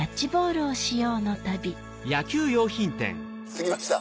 着きました。